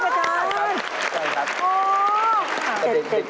ขอบคุณครับตอนนี้เด็ก